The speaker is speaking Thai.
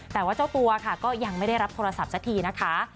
แต่ว่าเจ้าตัวค่ะก็ยังไม่ได้รับโทรศัพท์สักทีนะคะ